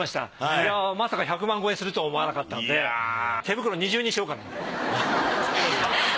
いやぁまさか１００万超えするとは思わなかったんで手袋二重にしようかなと。